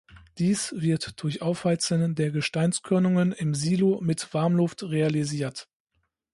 Dies wird durch Aufheizen der Gesteinskörnungen im Silo mit Warmluft realisiert.